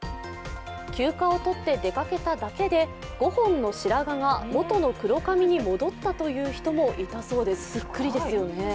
休暇を取って出かけただけで５本の白髪が元の黒髪に戻ったという人もいたそうです。